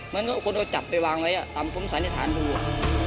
มันก็คนต้องจับไปวางไว้อ่ะตามความสัญญาฐานทุกคน